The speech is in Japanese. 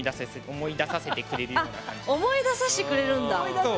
あっ思い出させてくれるんだ。